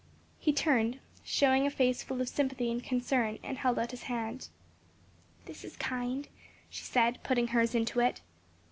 He turned, showing a face full of sympathy and concern, and held out his hand. "This is kind," she said, putting hers into it.